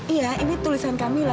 iya ini tulisan kamilah